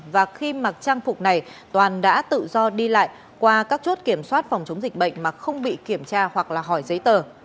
và khi mặc trang phục này toàn đã tự do đi lại qua các chốt kiểm soát phòng chống dịch bệnh mà không bị kiểm tra hoặc là hỏi giấy tờ